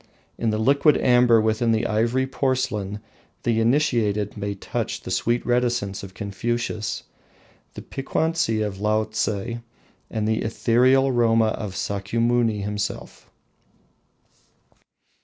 In the liquid amber within the ivory porcelain, the initiated may touch the sweet reticence of Confucius, the piquancy of Laotse, and the ethereal aroma of Sakyamuni himself.